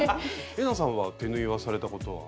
玲奈さんは手縫いはされたことは？